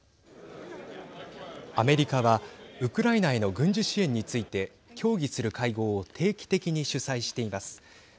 アメリカはウクライナへの軍事支援について協議する会合を定期的に主催しています。